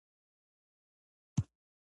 آیا د تقاعد کورونه ډیر نه دي؟